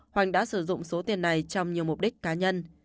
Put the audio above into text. hoàng đã sử dụng số tiền này trong nhiều mục đích cá nhân